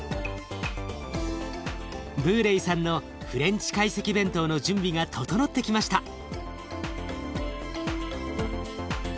ブーレイさんのフレンチ懐石弁当の準備が整ってきました。